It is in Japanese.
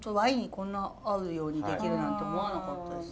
こんな合うようにできるなんて思わなかったです。